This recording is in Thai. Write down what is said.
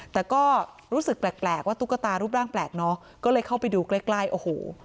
แต่ก็รู้สึกแปลกว่าตุ๊กตารูปร่างแปลกเนอะก็เลยเข้าไปดูใกล้ใกล้โอ้โห